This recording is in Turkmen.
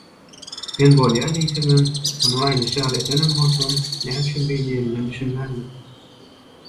Men bolýa diýsemem, onuň aýdyşy ýaly edenem bolsam, näme üçin beý diýenine düşünmändim.